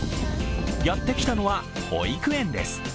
やってきたのは保育園です。